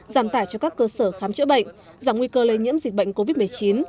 giảm tải cho các cơ sở khám chữa bệnh giảm nguy cơ lây nhiễm dịch bệnh covid một mươi chín